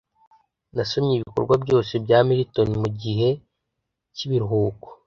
Nasomye ibikorwa byose bya Milton mugihe cyibiruhuko.